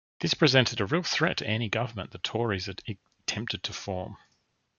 This presented a real threat to any government the Tories attempted to form.